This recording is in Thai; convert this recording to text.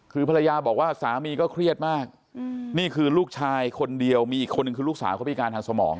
คือภรรยาบอกว่าสามีก็เครียดมากนี่คือลูกชายคนเดียวมีอีกคนนึงคือลูกสาวเขาพิการทางสมอง